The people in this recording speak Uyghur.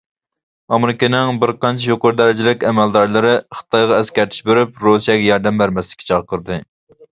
ئامېرىكىنىڭ بىرقانچە يۇقىرى دەرىجىلىك ئەمەلدارلىرى خىتايغا ئەسكەرتىش بېرىپ رۇسىيەگە ياردەم بەرمەسلىككە چاقىردى.